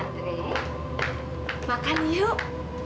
andre makan yuk